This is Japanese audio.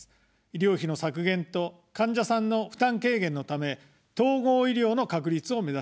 医療費の削減と患者さんの負担軽減のため、統合医療の確立を目指します。